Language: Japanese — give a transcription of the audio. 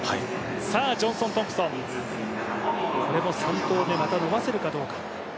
ジョンソン・トンプソン、３投目伸ばせるかどうか。